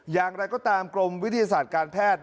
อย่างไรก็ตามกรมวิทยาศาสตร์การแพทย์